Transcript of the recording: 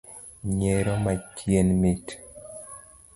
Nyiero machien mit